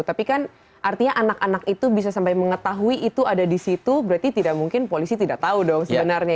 tapi kan artinya anak anak itu bisa sampai mengetahui itu ada di situ berarti tidak mungkin polisi tidak tahu dong sebenarnya